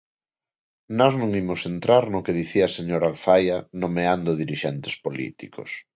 Nós non imos entrar no que dicía a señora Alfaia, nomeando dirixentes políticos.